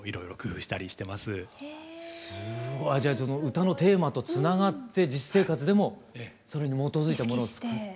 すごいじゃあその歌のテーマとつながって実生活でもそれに基づいたものを作って。